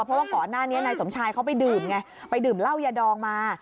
เพราะว่าก่อนหน้านี้นายสมชายเขาไปดื่มไงไปดื่มเหล้ายาดองมา